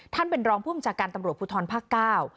ท่านเป็นรองผู้บัญชาการตำรวจภูทรภาคเก้า